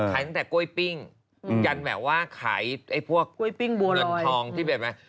ให้แค่นั้นแต่ก้วยปิ้งงั้นแม้ว่าใช่เข้าก้วยปิ้งบัตรนอนทองไฟ